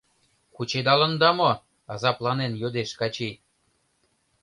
— Кучедалында мо? — азапланен йодеш Качий.